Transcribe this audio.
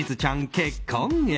結婚へ。